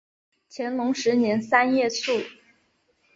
乾隆十年三月卒。